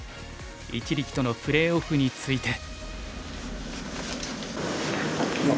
一力とのプレーオフについて。